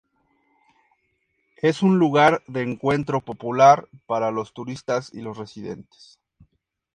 Es un lugar de encuentro popular para los turistas y los residentes.